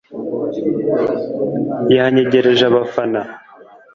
yanyegereje abafana